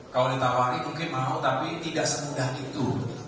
kalau ditawari mungkin mau tapi tidak semudah itu